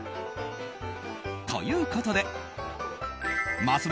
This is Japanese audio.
ということでます